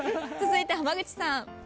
続いて浜口さん。